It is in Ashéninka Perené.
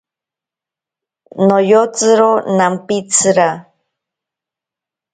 Noyotsiro nampitsira.